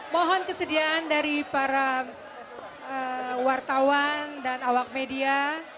mohon kesediaan dari para wartawan dan awak media